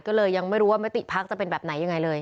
ก็เลยยังไม่รู้ว่ามติภักดิ์จะเป็นแบบไหนยังไงเลย